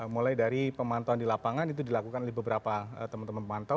mulai dari pemantauan di lapangan itu dilakukan oleh beberapa teman teman pemantau